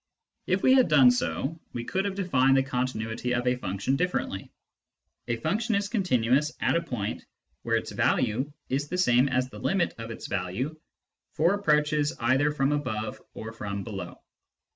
If we had done so, we could have defined the continuity of a function differently : a function is continuous at a point where its value is the same as the limit of its value for approaches either from above or from below.